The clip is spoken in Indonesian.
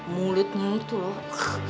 mulutnya itu loh